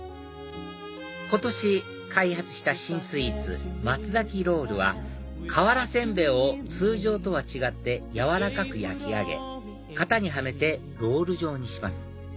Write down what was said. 今年開発した新スイーツ松ろうるは瓦煎餅を通常とは違って柔らかく焼き上げ型にはめてロール状にします